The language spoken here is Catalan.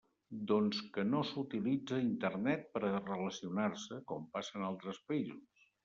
Doncs que no s'utilitza Internet per a relacionar-se, com passa en altres països.